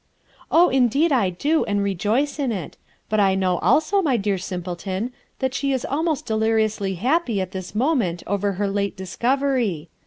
"Oh, indeed I do, and rejoice in it. But I know also, my dear simpleton, that she is almost deliriously happy at this moment over her late discovery.